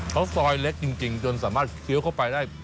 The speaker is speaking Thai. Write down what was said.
เขาซอยเล็กจริงจนสามารถเคี้ยวเข้าไปได้